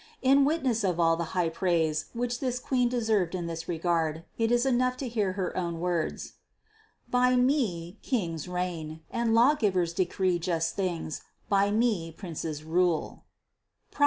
In witness of all the high praise which this Queen deserved in this regard, it is enough to hear her own words : "By me, kings reign, and law givers decree just things, by me princes rule" (Prov.